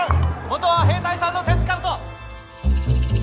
元は兵隊さんの鉄かぶと。